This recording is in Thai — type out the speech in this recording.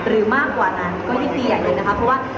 หรือมากกว่านั้นก็ยิ่งเตียงอย่างยิ่งนะคะเพราะว่า